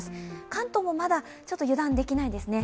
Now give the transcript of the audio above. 関東もまだちょっと油断できないですね。